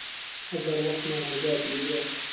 ئهگهر رووحمان نهجاتی ببێ